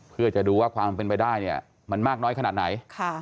เพื่อจะดูว่าความเป็นไปได้เนี่ยมันมากน้อยขนาดไหน